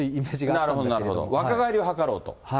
なるほど、なるほど、若返りを図ろうと。